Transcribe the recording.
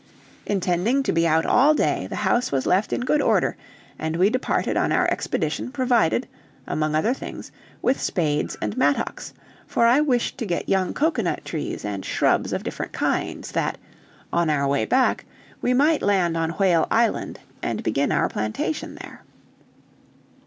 Intending to be out all day, the house was left in good order, and we departed on our expedition, provided, among other things, with spades and mattocks, for I wished to get young cocoanut trees and shrubs of different kinds, that, on our way back, we might land on Whale Island, and begin our plantation there.